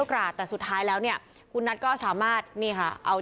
นี่นี่นี่นี่นี่